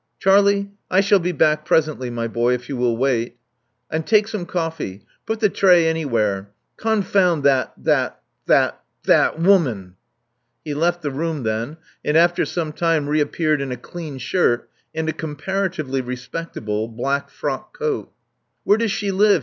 Charlie: I shall be back presently, my boy, if you will wait. And take some coffee. Put the tray anywhere. Confound that — that — that — that woman. '' He left the room then, and after some time reappeared in a clean shirt and a comparatively respectable black frock coat. '* Where does she live?"